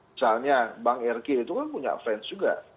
misalnya bang rg itu kan punya fans juga